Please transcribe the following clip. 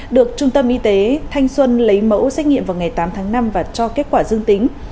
được trung tâm y tế thanh xuân lấy mẫu xét nghiệm vào ngày tám tháng năm và cho kết quả dương tính